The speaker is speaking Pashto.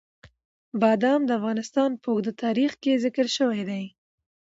بادام د افغانستان په اوږده تاریخ کې ذکر شوي دي.